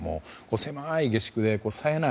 狭い下宿でさえない